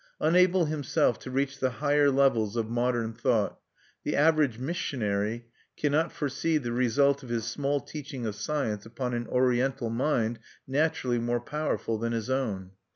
Unable himself to reach the higher levels of modern thought, the average missionary cannot foresee the result of his small teaching of science upon an Oriental mind naturally more powerful than his own.